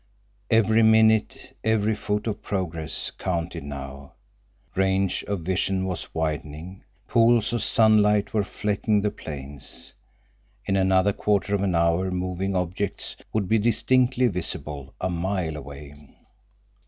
Every minute, every foot of progress, counted now. Range of vision was widening. Pools of sunlight were flecking the plains. In another quarter of an hour moving objects would be distinctly visible a mile away.